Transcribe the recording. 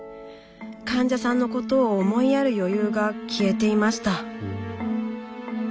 患者さんのことを思いやる余裕が消えていました。